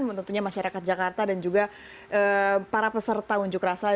tentunya masyarakat jakarta dan juga para peserta unjuk rasa